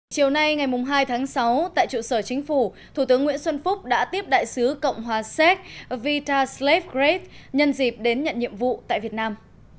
chiều nay ngày hai tháng sáu tại trụ sở chính phủ thủ tướng nguyễn xuân phúc đã tiếp đại sứ cộng hòa séc vitasleveret nhân dịp đến nhận nhiệm vụ tại việt nam